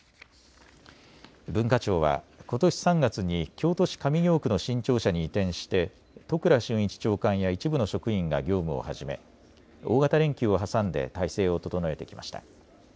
文化庁はことし３月に京都市上京区の新庁舎に移転して都倉俊一長官や一部の職員が業務を始め大型連休を挟んで体制を整えてきました。